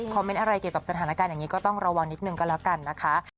เมนต์อะไรเกี่ยวกับสถานการณ์อย่างนี้ก็ต้องระวังนิดนึงก็แล้วกันนะคะ